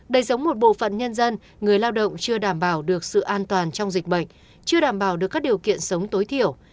đời sống một bộ phận nhân dân người lao động chưa đảm bảo được sự an toàn trong dịch bệnh chưa đảm bảo được các điều kiện sống tối thiểu